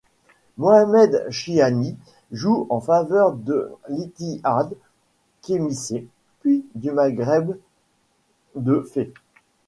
Mohamed Chihani joue en faveur de l'Ittihad Khémisset puis du Maghreb de Fès.